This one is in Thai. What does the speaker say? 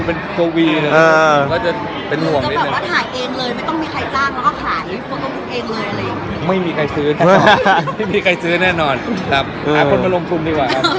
โปรดติดตามตอนต่อไป